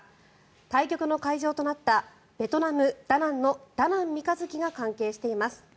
対局の会場となったベトナム・ダナンのダナン三日月が関係しています。